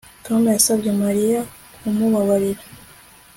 Tom yasabye Mariya kumubabarira